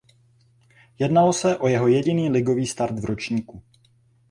Jednalo se o jeho jediný ligový start v ročníku.